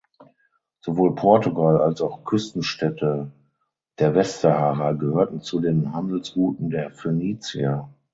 Sowohl Portugal als auch Küstenstädte der Westsahara gehörten zu den Handelsrouten der Phönizier.